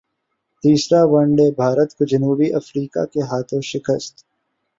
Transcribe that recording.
تیسرا one day Bharat کو جنوبی افریقا کے ہاتھوں شکست